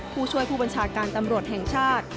ผู้ช่วยผู้บัญชาการตำรวจแห่งชาติ